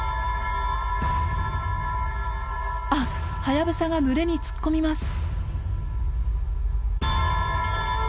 あっハヤブサが群れに突っ込みます。